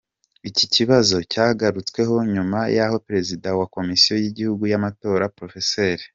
Iki kibazo cyagarutsweho nyuma y’aho Perezida wa Komisiyo y’Igihugu y’Amatora, Prof.